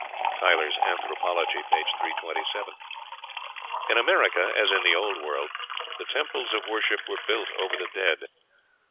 (Tylor's "Anthropology," p. 327.) In America, as in the Old World, the temples of worship were built over the dead.